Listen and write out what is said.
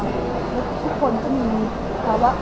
เดี๋ยวเรียนรู้กับเขา